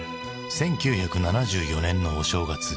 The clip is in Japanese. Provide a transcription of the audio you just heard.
１９７４年のお正月。